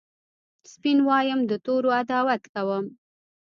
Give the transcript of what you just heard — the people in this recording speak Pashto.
سپین وایم د تورو عداوت کوم